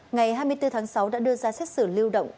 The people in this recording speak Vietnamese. ngày hai mươi bốn tháng sáu đã đưa ra xét xử lưu động